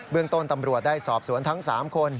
เรื่องต้นตำรวจได้สอบสวนทั้ง๓คน